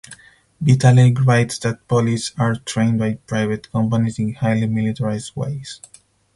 Vitale writes that police are trained by private companies in highly militarised ways.